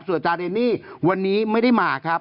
สวจารณีวันนี้ไม่ได้มาครับ